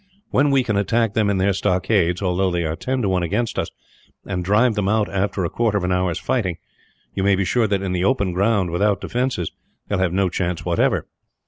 When we can attack them in their stockades, although they are ten to one against us, and drive them out after a quarter of an hour's fighting; you may be sure that in the open ground, without defences, they will have no chance whatever.